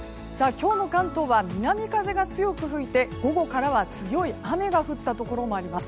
今日の関東は南風が強く吹いて午後からは強い雨が降ったところもあります。